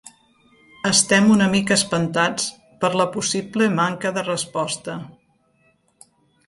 Estem una mica espantats per la possible manca de resposta.